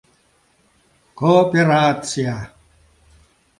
— Кооперр-атция!